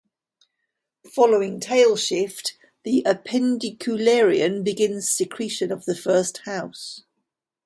Following tail shift, the appendicularian begins secretion of the first house.